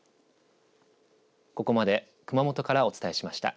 ここまで熊本からお伝えしました。